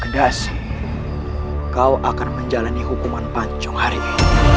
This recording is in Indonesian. kedah sih kau akan menjalani hukuman pancong hari ini